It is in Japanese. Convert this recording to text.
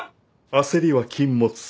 焦りは禁物さ。